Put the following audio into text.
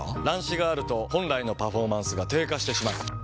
乱視があると本来のパフォーマンスが低下してしまう。